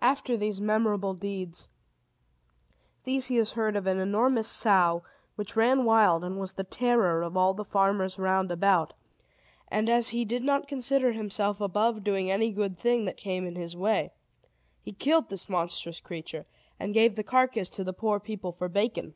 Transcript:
After these memorable deeds, Theseus heard of an enormous sow, which ran wild, and was the terror of all the farmers round about; and, as he did not consider himself above doing any good thing that came in his way, he killed this monstrous creature, and gave the carcass to the poor people for bacon.